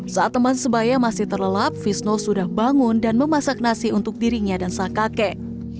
saat teman sebaya masih terlelap fisno sudah bangun dan memasak nasi untuk dirinya dan sang kakek